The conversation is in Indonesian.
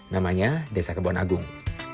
namanya desa kebun agung